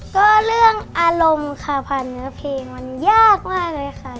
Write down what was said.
ก็เรื่องอารมณ์ค่ะผ่านเนื้อเพลงมันยากมากเลยค่ะ